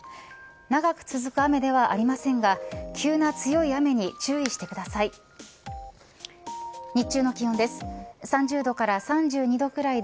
長く続く雨ではありませんが急な強い雨に注意してください。